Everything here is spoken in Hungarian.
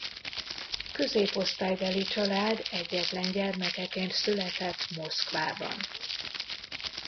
Középosztálybeli család egyetlen gyermekeként született Moszkvában.